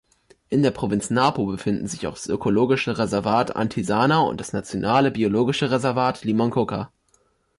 In der Provinz Napo befinden sich auch das Ökologische Reservat Antisana und das Nationale Biologische Reservat Limoncocha.